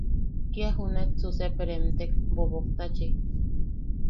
Kia junaetsu sep remtek Boboktachi.